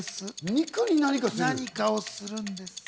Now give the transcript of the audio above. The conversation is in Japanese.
肉に何かするんです。